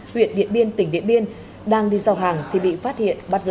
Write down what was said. huyện điện biên tỉnh điện biên đang đi giao hàng thì bị phát hiện bắt giữ